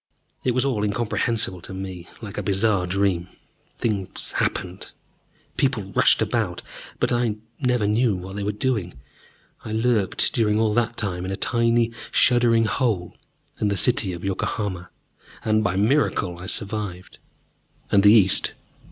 It was all incomprehensible to me: like a bizarre dream, things happened, people rushed about, but I never knew what they were doing. I lurked during all that time in a tiny shuddering hole under the city of Yokohama, and by a miracle I survived. And the East won.